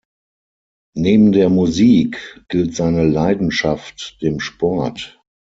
Neben der Musik gilt seine Leidenschaft dem Sport.